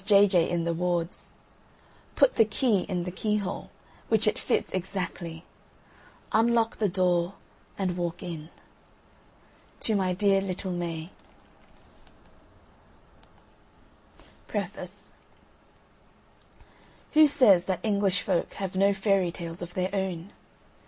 J. in the wards. Put the Key in the Keyhole, which it fits exactly, unlock the door and WALK IN._ TO MY DEAR LITTLE MAY PREFACE Who says that English folk have no fairy tales of their own?